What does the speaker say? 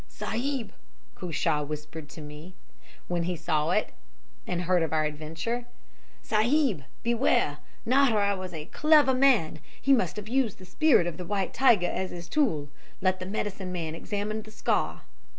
"'Sahib!' Cushai whispered to me, when he saw it and heard of our adventure. 'Sahib! Beware! Nahra was a clever man. He must have used the spirit of the white tiger as his tool. Let the medicine man examine the scar.'